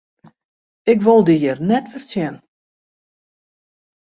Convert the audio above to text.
Ik wol dy hjir net wer sjen!